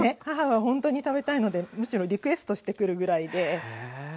母はほんとに食べたいのでむしろリクエストしてくるぐらいで。